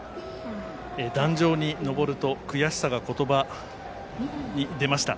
壇上に上ると悔しさが言葉に出ました。